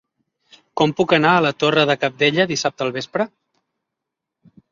Com puc anar a la Torre de Cabdella dissabte al vespre?